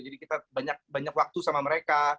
jadi kita banyak waktu sama mereka